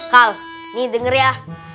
kal nih denger ya